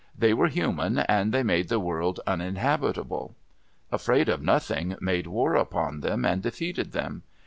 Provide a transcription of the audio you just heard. They were human, and they made the world uninhabitable. Afraid of Nothing made war upon them and defeated them.